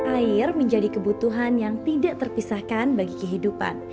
air menjadi kebutuhan yang tidak terpisahkan bagi kehidupan